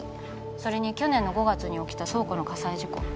それに去年の５月に起きた倉庫の火災事故